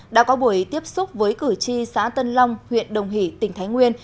đã có buổi tiếp xúc với cử tri xã tân long huyện đồng hỷ tỉnh thái nguyên